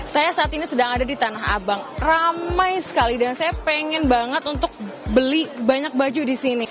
saya saat ini sedang ada di tanah abang ramai sekali dan saya pengen banget untuk beli banyak baju di sini